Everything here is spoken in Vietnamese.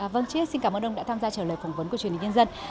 vâng trước xin cảm ơn ông đã tham gia trả lời phỏng vấn của truyền hình nhân dân